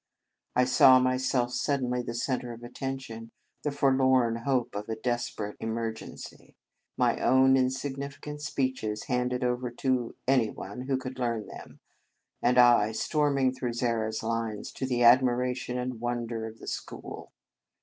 I saw myself sud denly the centre of attention, the for lorn hope of a desperate emergency, my own insignificant speeches handed over to any one who could learn them, and I storming through Zara s lines to the admiration and wonder of the school.